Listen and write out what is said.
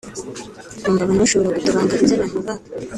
mwumva abantu bashobora gutobanga ibyo abantu bubaka